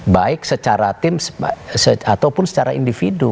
baik secara tim ataupun secara individu